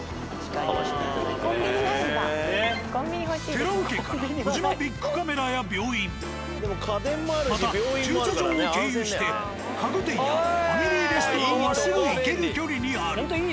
寺尾家から「コジマ×ビックカメラ」や病院また駐車場を経由して家具店やファミリーレストランまですぐ行ける距離にある。